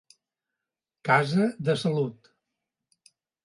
Casa de salut.